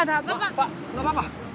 pak tak apa pak